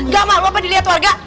gak maklum apa dilihat warga